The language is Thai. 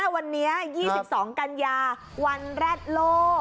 วันนี้๒๒กันยาวันแร็ดโลก